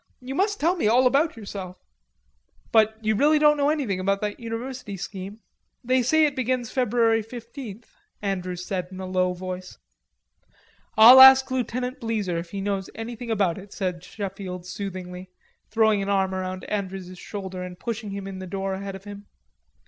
You must tell me all about yourself." "But don't you really know anything about that university scheme? They say it begins February fifteenth," Andrews said in a low voice. "I'll ask Lieutenant Bleezer if he knows anything about it," said Sheffield soothingly, throwing an arm around Andrews's shoulder and pushing him in the door ahead of him.